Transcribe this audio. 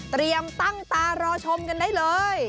เตรียมตั้งตารอชมกันได้เลย